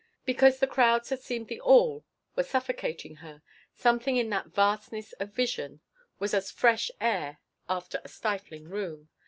Because the crowds had seemed the all were suffocating her something in that vastness of vision was as fresh air after a stifling room.